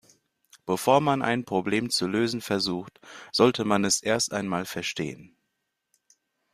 Bevor man ein Problem zu lösen versucht, sollte man es erst einmal verstehen.